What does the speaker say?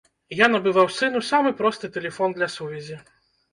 Я набываў сыну самы просты тэлефон для сувязі.